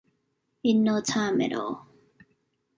In no time at all.